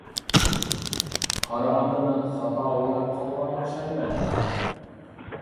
قارىغاندا مەن خاتا ئويلاپ قالغان ئوخشايمەن.